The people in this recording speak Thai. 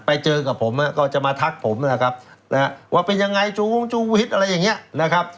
ไปเจอกับผมก็จะมาทักผมนะครับว่าเป็นยังไงชูวงชูวิทย์อะไรอย่างนี้นะครับ